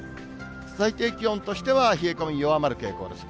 最低気温としては、冷え込み弱まる傾向です。